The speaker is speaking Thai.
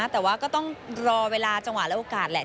แต่ว่าก็ต้องรอเวลาจังหวะและโอกาสแหละ